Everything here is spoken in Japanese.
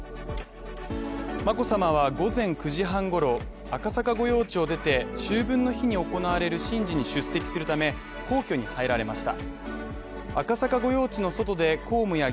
眞子さまは午前９時半ごろ、赤坂御用地を出て、秋分の日に行われる神事に出席するため、皇居に入られました。